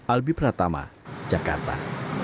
albi pratama jakarta